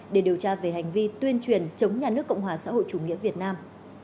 để điều tra về hành vi tuyên truyền chống nhà nước cộng hòa xã hội chủ nghĩa việt nam